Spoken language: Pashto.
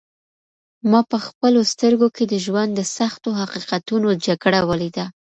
ما په خپلو سترګو کې د ژوند د سختو حقیقتونو جګړه ولیده.